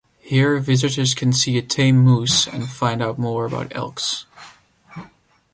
Here visitors can see a tame moose and find out more about elks.